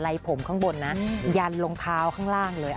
ผมข้างบนนะยันรองเท้าข้างล่างเลย